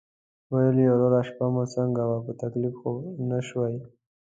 ویل یې: "وروره شپه مو څنګه وه، په تکلیف خو نه شوئ؟"